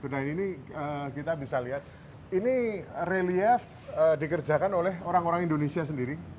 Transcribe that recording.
nah ini kita bisa lihat ini relief dikerjakan oleh orang orang indonesia sendiri